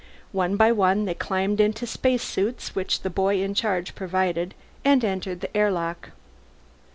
One by one they climbed into the spacesuits which the boy in charge provided, and entered the airlock.